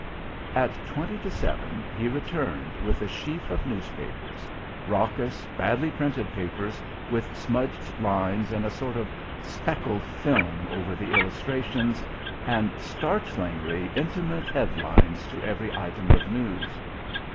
At twenty to seven he returned, with a sheaf of news papers raucous, badly printed papers with smudged lines and a sort of speckled film over the illustrations, and startlingly intimate headlines to every item of news.